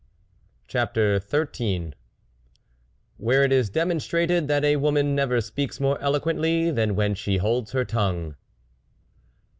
CHAPTER XIII WHERE IT IS DEMONSTRATED THAT A WOMAN NEVER SPEAKS MORE ELOQUENT LY THAN WHEN SHE HOLDS HER TON GUE.